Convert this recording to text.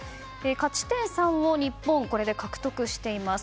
勝ち点３を日本、獲得しています。